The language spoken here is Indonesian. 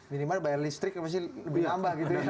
minimal bayar listrik pasti lebih ambah